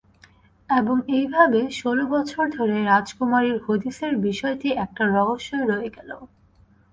এবং এইভাবে, ষোল বছর ধরে, রাজকুমারীর হদিসের বিষয়টি একটা রহস্যই রয়ে গেলো।